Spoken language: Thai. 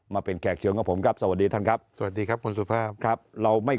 มาเป็นแขกเชิญกับผมครับสวัสดีท่านครับสวัสดีครับคุณสุภาพครับเราไม่